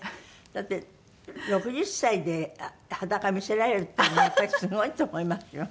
だって６０歳で裸見せられるっていうのやっぱりすごいと思いますよ。